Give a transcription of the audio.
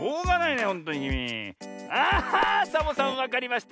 サボさんわかりました。